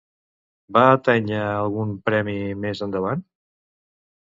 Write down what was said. Va atènyer algun altre premi més endavant?